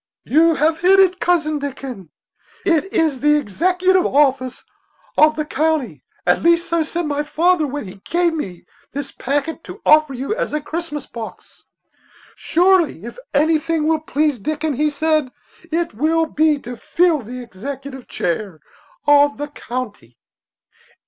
"You have hit it, Cousin Dickon; it is the executive office of the county; at least so said my father when he gave me this packet to offer you as a Christmas box. Surely, if anything will please Dickon,' he said, 'it will be to fill the executive chair of the county.'"